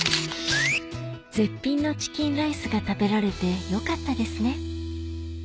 絶品のチキンライスが食べられてよかったですね